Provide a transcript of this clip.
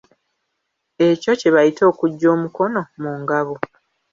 Ekyo kye bayita okuggya omukono mu ngabo.